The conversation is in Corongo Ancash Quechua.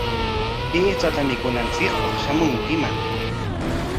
Aychata mikunanchikpaq shamunkiman.